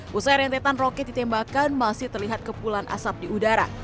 pusat rentetan roket ditembakkan masih terlihat kepulan asap di udara